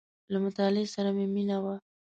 • له مطالعې سره مې مینه وه.